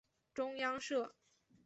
中央社